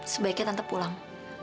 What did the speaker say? sebaiknya tante pulang